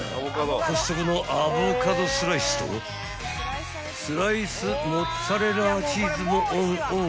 コストコのアボカドスライスとスライスモッツァレラチーズもオンオン］